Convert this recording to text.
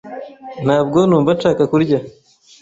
Ntabwo numva nshaka kurya.